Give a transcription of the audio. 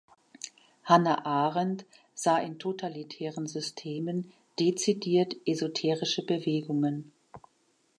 Hannah Arendt sah in totalitären Systemen dezidiert esoterische Bewegungen.